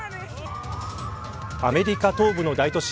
アメリカ東部の大都市